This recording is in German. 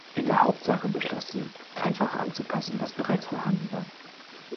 In der Hauptsache beschloss sie, einfach anzupassen, was bereits vorhanden war.